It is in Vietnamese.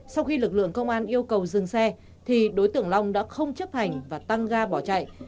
sau khi lực lượng công an yêu cầu dừng xe thì đối tượng long đã không chấp hành và tăng ga bỏ chạy